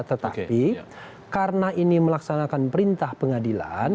tetapi karena ini melaksanakan perintah pengadilan